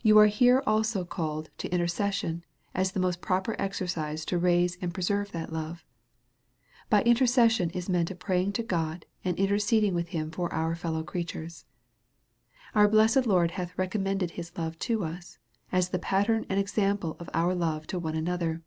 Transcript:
You are here also call ed to intercession, as the most proper exercise to raise and preserve that love. By intercession is meant a praying to God, and interceding with him for our fel low creatures. Our blessed Lord hath recommended his love to us_, as the pattern and example of our love to one another.